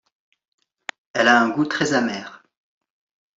Elle a un goût très amer.